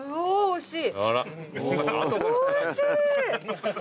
おいしい！